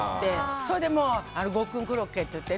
それでもうごっくんコロッケと言って。